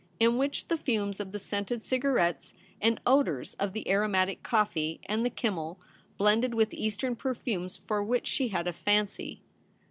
In which the fumes of the scented cigarettes and odours of the aromatic coffee and the kummel blended with Eastern perfumes for which she had a fancy.